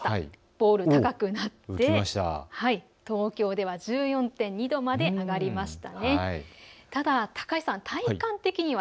ボール、高くなって東京では１４．２度まで上がりました。